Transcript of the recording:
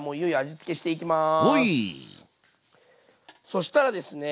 そしたらですね